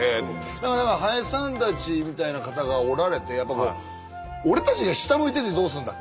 だから何か林さんたちみたいな方がおられてやっぱこう俺たちが下向いててどうすんだ！